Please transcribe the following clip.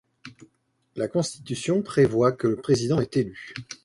La constitution prévoit que le Président est élu.